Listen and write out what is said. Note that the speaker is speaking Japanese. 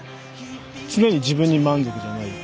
常に自分に満足じゃない。